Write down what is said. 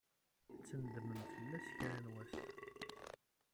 Ad tnedmem fell-as kra n wass.